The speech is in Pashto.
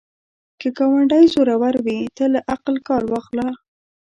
که ګاونډی زورور وي، ته له عقل کار واخله